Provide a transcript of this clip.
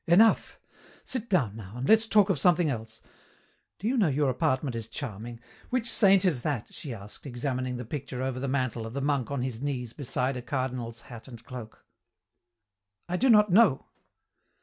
"Enough. Sit down, now, and let's talk of something else. Do you know your apartment is charming? Which saint is that?" she asked, examining the picture, over the mantel, of the monk on his knees beside a cardinal's hat and cloak. "I do not know."